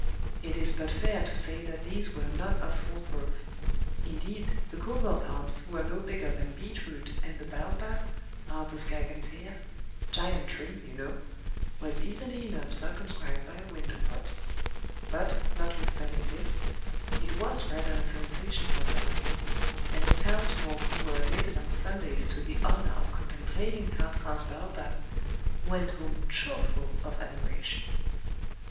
It is but fair to say that these were none of full growth; indeed, the cocoa palms were no bigger than beet root and the baobab (arbos gigantea "giant tree," you know) was easily enough circumscribed by a window pot; but, notwithstanding this, it was rather a sensation for Tarascon, and the townsfolk who were admitted on Sundays to the honour of contemplating Tartarin's baobab, went home chokeful of admiration.